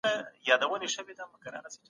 بوډی زړګی مي صبروم په ژړا نه راځمه